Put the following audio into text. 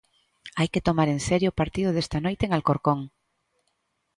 Hai que tomar en serio o partido desta noite en Alcorcón.